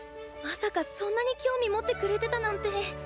まさかそんなに興味持ってくれてたなんて。